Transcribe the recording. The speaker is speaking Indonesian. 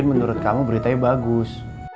jadi menurut kamu beritanya bagus